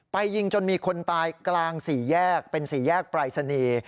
ยิงจนมีคนตายกลางสี่แยกเป็นสี่แยกปรายศนีย์